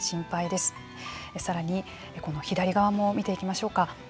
さらにこの左側も見ていきましょうか。